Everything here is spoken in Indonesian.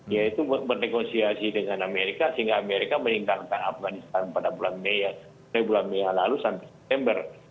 yaitu berdekonsiasi dengan amerika sehingga amerika meningkatkan afghanistan pada bulan mei lalu sampai september